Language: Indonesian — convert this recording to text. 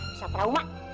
siapa tahu mak